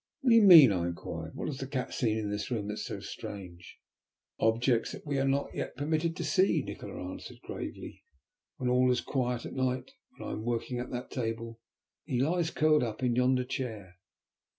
"What do you mean?" I inquired. "What has the cat seen in this room that is so strange?" "Objects that we are not yet permitted to see," Nikola answered gravely. "When all is quiet at night, and I am working at that table, he lies curled up in yonder chair.